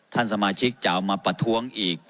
ท่านสมาชิกจะเอามาประท้วงอีก